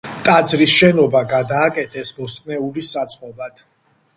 ტაძრის შენობა გადააკეთეს ბოსტნეულის საწყობად.